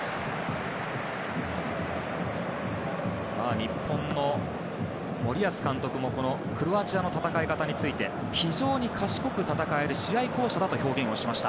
日本の森保監督もこのクロアチアの戦い方について非常に賢く戦える試合巧者だという表現をしました。